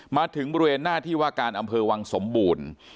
มาถึงบริเวณหน้าที่ว่าการอำเภอวังสมบูรณ์